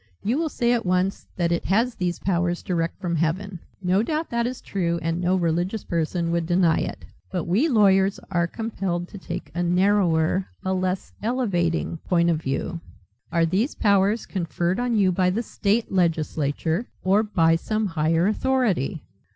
You will say at once that it has these powers direct from Heaven. No doubt that is true and no religious person would deny it. But we lawyers are compelled to take a narrower, a less elevating point of view. Are these powers conferred on you by the state legislature or by some higher authority?"